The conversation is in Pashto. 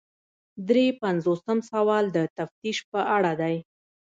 درې پنځوسم سوال د تفتیش په اړه دی.